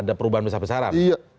ada perubahan besar besaran